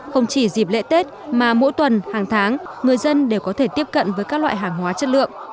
không chỉ dịp lễ tết mà mỗi tuần hàng tháng người dân đều có thể tiếp cận với các loại hàng hóa chất lượng